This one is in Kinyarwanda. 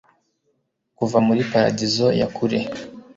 Kuva muri paradizo ya kure